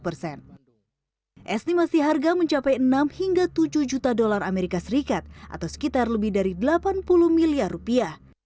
estimasi harga mencapai enam hingga tujuh juta dolar amerika serikat atau sekitar lebih dari delapan puluh miliar rupiah